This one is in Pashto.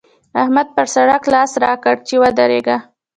احمد پر سړک لاس راکړ چې ودرېږه!